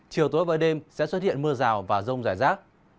chiều tối và đêm sẽ xuất hiện mưa rào và rông rải rác